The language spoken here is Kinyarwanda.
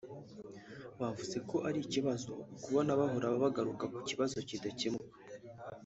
Bavuze ko ari ikibazo kubona bahora bagaruka ku bibazo bidakemuka